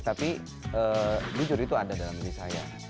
tapi jujur itu ada dalam diri saya